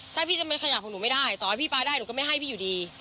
ถ้าพี่จะมาขยับของหนูไม่ได้ต่อให้พี่ปลาได้หนูก็ไม่ให้พี่อยู่ดี